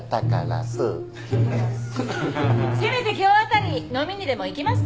せめて今日あたり飲みにでも行きますか？